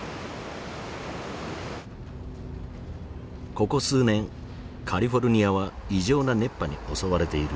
ここ数年カリフォルニアは異常な熱波に襲われている。